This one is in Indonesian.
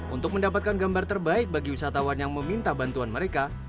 untuk mendapatkan gambar terbaik bagi wisatawan yang meminta bantuan mereka